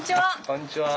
こんにちは。